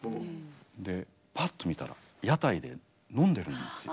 でパッと見たら屋台で飲んでるんですよ。